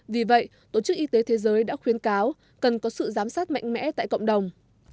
vì vậy tổ chức y tế thế giới đã khuyến cáo cần có sự giám sát mạnh mẽ tại cộng đồng